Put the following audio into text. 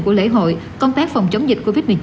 của lễ hội công tác phòng chống dịch covid một mươi chín